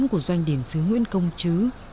của doanh điển sứ nguyễn công chứ